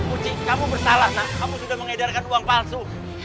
uci kamu bersalah kamu sudah mengedarkan uang palsu